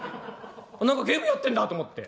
何かゲームやってんだと思って。